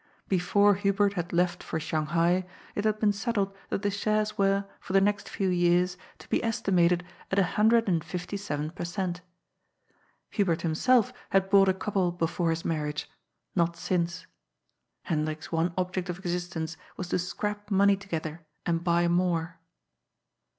Before Hubert had left for Shanghai, it had been settled that the shares were, for the next few years, to be estimated at a hundred and fifty seven per cent. Hubert himself had bought a couple before his marriage, not since. Hendrik's one object of existence was to scrap money together and buy more.